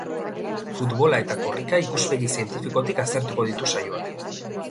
Futbola eta korrika ikuspegi zientifikotik aztertuko ditu saioak.